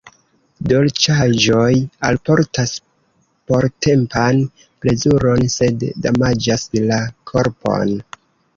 Dolĉaĵoj alportas portempan plezuron, sed damaĝas la korpon.